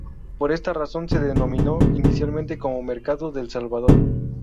Por esta razón se denominó inicialmente como Mercado del Salvador.